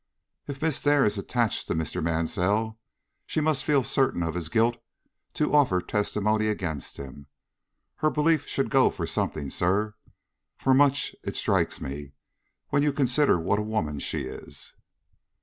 "If Miss Dare is attached to Mr. Mansell, she must feel certain of his guilt to offer testimony against him. Her belief should go for something, sir; for much, it strikes me, when you consider what a woman she is."